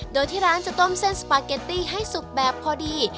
โดยที่ร้านจะต้มเส้นสปาเกตตี้ให้สุกแบบพอดี